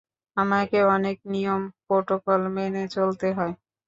আমাকে অনেক নিয়ম-প্রটোকল মেনে চলতে হয়।